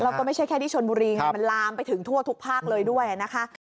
แล้วก็ไม่ใช่แค่ที่ชนบุรีไงมันลามไปถึงทั่วทุกภาคเลยด้วยนะคะ